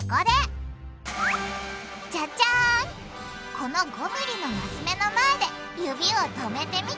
この５ｍｍのマス目の前で指を止めてみて！